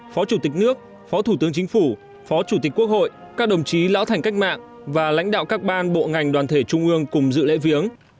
phó chủ tịch nước phó thủ tướng chính phủ phó chủ tịch quốc hội các đồng chí lão thành cách mạng và lãnh đạo các ban bộ ngành đoàn thể trung ương cùng dự lễ viếng